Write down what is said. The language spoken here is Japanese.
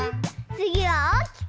つぎはおおきく！